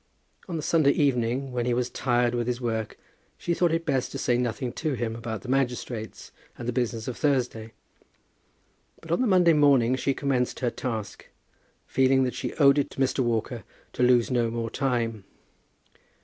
On the Sunday evening, when he was tired with his work, she thought it best to say nothing to him about the magistrates and the business of Thursday. But on the Monday morning she commenced her task, feeling that she owed it to Mr. Walker to lose no more time.